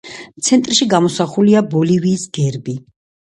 ცენტრში გამოსახულია ბოლივიის გერბი.